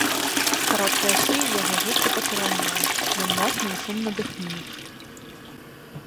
Кароткая шыя яго густа пачырванела, ён моцна і шумна дыхнуў.